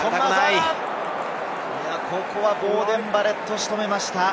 ここはボーデン・バレット、仕留めました。